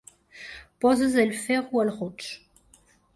Poses el ferro al roig.